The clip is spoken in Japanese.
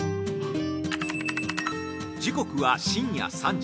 時刻は深夜３時。